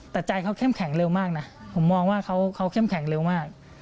แต่ใจเขาเข้มแข็งเร็วมากนะผมมองว่าเขาเข้มแข็งเร็วมาก